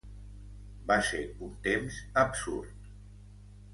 Va ser un temps absurd.